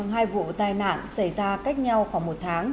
hai vụ tai nạn xảy ra cách nhau khoảng một tháng